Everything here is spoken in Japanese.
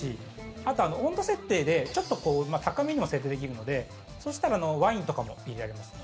あと、温度設定でちょっと高めにも設定できるのでそしたらワインとかも入れられますので。